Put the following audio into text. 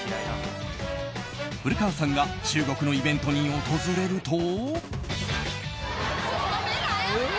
古川さんが中国のイベントに訪れると。